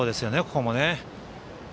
ここも。